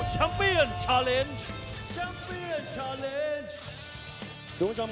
กันต่อแพทย์จินดอร์